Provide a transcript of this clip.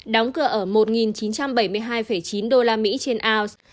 đóng cửa ở một chín trăm bảy mươi hai chín usd trên ounce